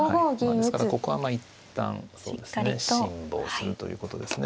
ですからここは一旦そうですね辛抱するということですね。